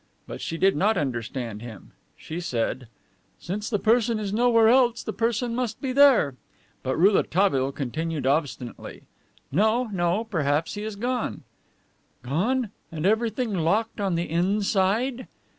But she did not understand him. She said: "Since the person is nowhere else, the person must be there." But Rouletabille continued obstinately: "No, no. Perhaps he is gone." "Gone! And everything locked on the inside!"